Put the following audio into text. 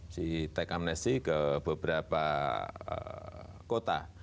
si tk mnesi ke beberapa kota